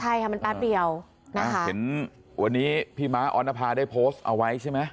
ใช่ค่ะมันแป๊บเดียวนะเห็นวันนี้พี่ม้าออนภาได้โพสต์เอาไว้ใช่ไหม